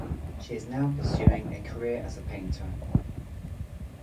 She is now pursuing a career as a painter.